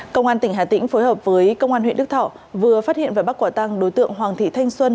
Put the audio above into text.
công an tỉnh hà tĩnh phối hợp với công an huyện đức thọ vừa phát hiện và bắt quả tăng đối tượng hoàng thị thanh xuân